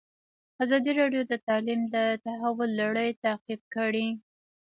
ازادي راډیو د تعلیم د تحول لړۍ تعقیب کړې.